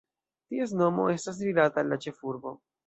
Ties nomo estas rilata al la ĉefurbo.